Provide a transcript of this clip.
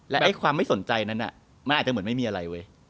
และความไม่สนใจนั้นมันอาจจะเหมือนไม่มีอะไรเว้ย